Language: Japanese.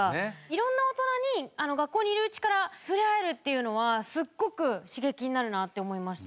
色んな大人に学校にいるうちからふれあえるっていうのはすごく刺激になるなって思いました。